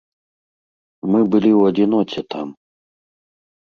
Мы былі ў адзіноце там.